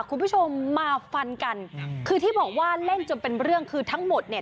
คุณผู้ชมมาฟันกันคือที่บอกว่าเล่นจนเป็นเรื่องคือทั้งหมดเนี่ย